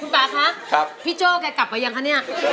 ป่าคะพี่โจ้แกกลับไปยังคะเนี่ย